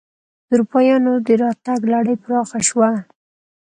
د اروپایانو دراتګ لړۍ پراخه شوه.